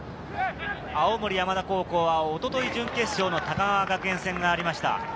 青森山田高校は一昨日、準決勝の高川学園戦がありました。